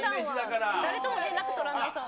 誰とも連絡取らなそう。